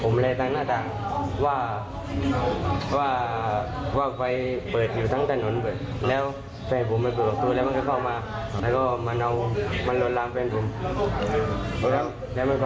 มันตัดไฟตัดไฟตรงนี้